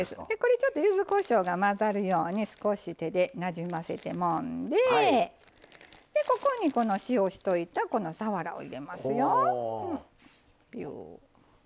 そして、ゆずこしょうが混ざるように少し手でなじませて、もんでここに塩をしておいたさわらを入れますよ。